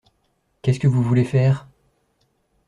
Qu’est-ce que vous voulez faire ?